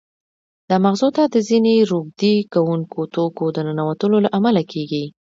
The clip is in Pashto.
دا مغزو ته د ځینې روږدې کوونکو توکو د ننوتلو له امله کېږي.